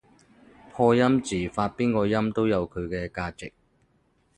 破音字發邊個音都有佢嘅價值